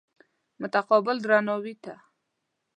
متقابل درناوي ته.